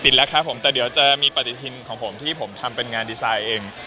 ครับผมแต่เดี๋ยวจะมีปฏิทินของผมที่ผมทำเป็นงานดีไซน์เอง